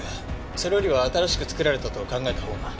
それよりは新しく作られたと考えた方が。